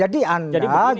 jadi anda juga harus